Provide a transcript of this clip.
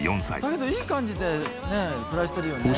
「だけどいい感じでね暮らしてるよね」